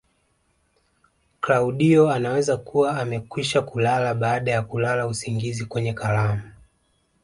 Klaudio anaweza kuwa amekwisha kulala baada ya kulala usingizi kwenye kalamu